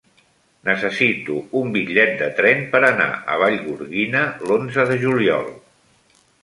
Necessito un bitllet de tren per anar a Vallgorguina l'onze de juliol.